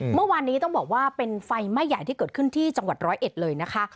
เมื่อวานนี้ต้องบอกว่าเป็นไฟไหม้ใหญ่ที่เกิดขึ้นที่จังหวัดร้อยเอ็ดเลยนะคะ